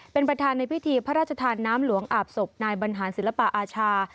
เป็นประธานในพิธีพระราชทานน้ำหลวงอาบศพนายบรรหารศิลปะอาชา